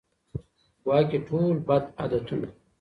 ګواکي ټول بد عادتونه